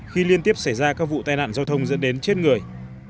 khi liên tiếp xảy ra các vụ tai nạn giao thông dẫn đến chết người